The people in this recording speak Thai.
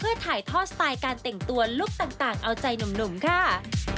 เพื่อถ่ายทอดสไตล์การแต่งตัวลุคต่างเอาใจหนุ่มค่ะ